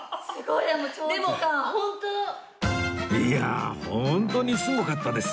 いやあホントにすごかったです